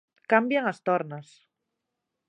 Cambian as tornas.